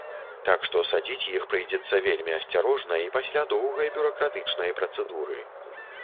Так што, садзіць іх прыйдзецца вельмі асцярожна і пасля доўгай бюракратычнай працэдуры.